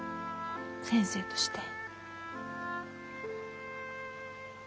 先生として。